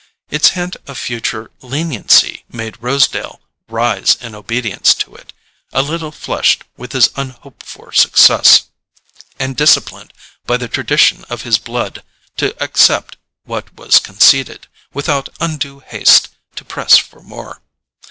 Its hint of future leniency made Rosedale rise in obedience to it, a little flushed with his unhoped for success, and disciplined by the tradition of his blood to accept what was conceded, without undue haste to press for more.